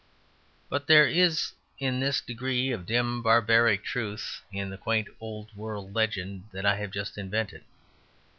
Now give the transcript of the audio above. But there is this degree of dim barbaric truth in the quaint old world legend that I have just invented.